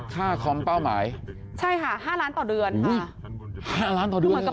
คอมเป้าหมายใช่ค่ะ๕ล้านต่อเดือนค่ะ๕ล้านต่อเดือน